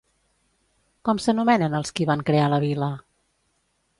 Com s'anomenen els qui van crear la vila?